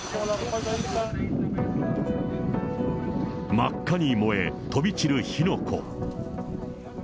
真っ赤に燃え、飛び散る火の粉。